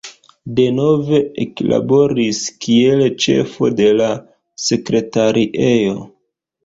Denove eklaboris kiel ĉefo de la sekretariejo.